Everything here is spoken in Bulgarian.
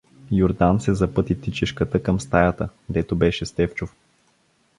Юрдан се запъти тичешката към стаята, дето беше Стефчов.